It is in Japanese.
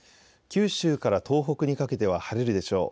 九州から東北にかけては晴れるでしょう。